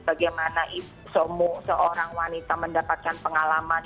bagaimana seorang wanita mendapatkan pengalaman